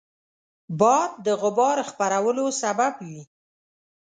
باد د غبار خپرولو سبب وي